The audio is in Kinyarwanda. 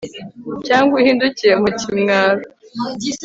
cyangwa uhindukire mu kimwaro